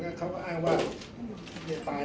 ก็จะเสียชีวิตโดย